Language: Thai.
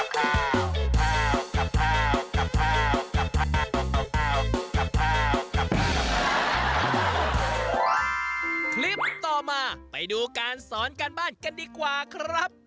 คลิปต่อมาไปดูการสอนการบ้านกันดีกว่าครับ